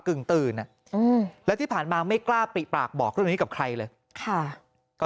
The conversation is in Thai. กึ่งตื่นอ่ะแล้วที่ผ่านมาไม่กล้าปลีปากบอกกับใครเลยค่ะก็